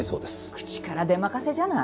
口からでまかせじゃない？